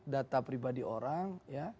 data pribadi orang